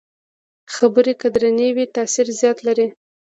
خبرې که درنې وي، تاثیر زیات لري